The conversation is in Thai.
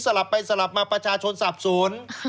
ลับไปสลับมาประชาชนสับสน